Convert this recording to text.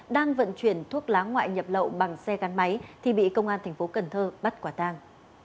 đang vận chuyển thuốc lá ngoại nhập lậu bằng xe gắn máy thì bị công an thành phố cần thơ bắt quả tang